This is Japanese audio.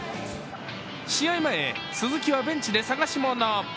試合前、鈴木はベンチで探し物。